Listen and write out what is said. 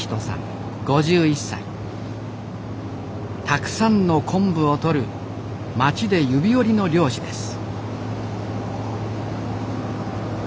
たくさんの昆布をとる町で指折りの漁師です。